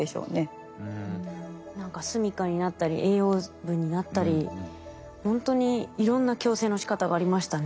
何かすみかになったり栄養分になったりほんとにいろんな共生のしかたがありましたね。